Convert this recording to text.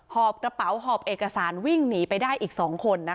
หอบกระเป๋าหอบเอกสารวิ่งหนีไปได้อีก๒คน